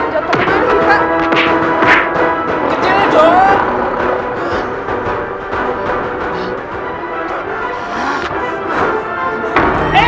tapi jatuh aja nih pak